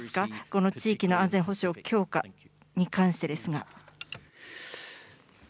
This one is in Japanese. この地域の安全保障強化に関してですが。